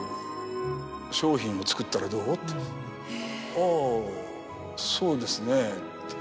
「あぁそうですね」って。